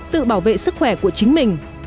tự bảo vệ sức khỏe của chính mình